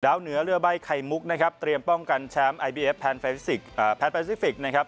ดาวเหนือเรือใบไขมุกนะครับเตรียมป้องกันแชมป์ไอบีเอฟแพลนแฟซิฟิกแพลนแฟซิฟิกนะครับ